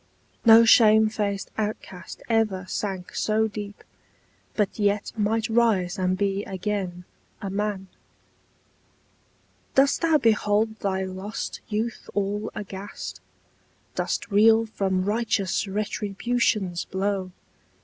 No shame faced outcast ever sank so deep, But yet might rise and be again a man ! Dost thou behold thy lost youth all aghast? Dost reel from righteous Retribution's blow?